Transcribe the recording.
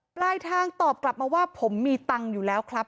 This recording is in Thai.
ปลายทางตอบกลับมาว่าผมมีตังค์อยู่แล้วครับ